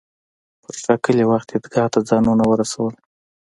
پر ټاکلي وخت عیدګاه ته ځانونه ورسول.